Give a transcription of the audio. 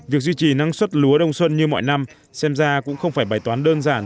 việc duy trì năng suất lúa đông xuân như mọi năm xem ra cũng không phải bài toán đơn giản